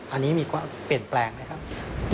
อันนี้มีความเปลี่ยนแปลงไหมครับ